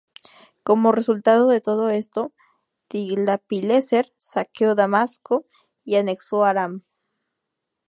Como resultado de todo esto, Tiglatpileser saqueó Damasco y se anexó Aram.